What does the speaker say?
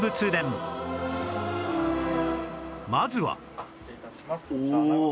まずは